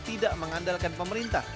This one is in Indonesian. tidak mengandalkan pemerintah